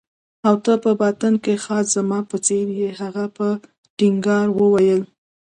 او ته په باطن کې خاص زما په څېر يې. هغه په ټینګار وویل.